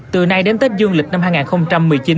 từ nay đến tết dương lịch năm hai nghìn một mươi chín